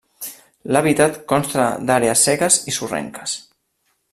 L'hàbitat consta d'àrees seques i sorrenques.